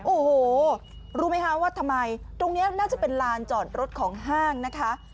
โอ้โหรู้ไหมคะว่าทำไมตรงนี้น่าจะเป็นลานจอดรถของห้างนะคะ